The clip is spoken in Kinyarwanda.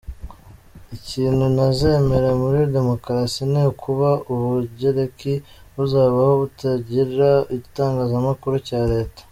Ikintu ntazemera muri demokarasi ni ukuba u Bugereki buzabaho butagira igitangazamakuru cya Leta.